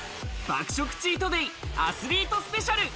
爆食チートデイ、アスリートスペシャル。